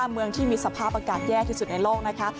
เมืองที่มีสภาพอากาศแย่ที่สุดในโลกนะคะ